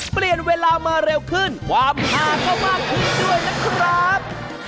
เปลี่ยนเวลามาเร็วขึ้นความหาก็มากขึ้นด้วยนะครับ